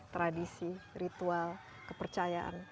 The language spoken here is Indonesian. tradisi ritual kepercayaan